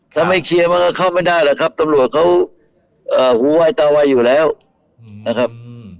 ถ้าไม่เคลียร์มันก็เข้าไม่ได้หรอกครับตำรวจเขาหูวายตาไวอยู่แล้วนะครับ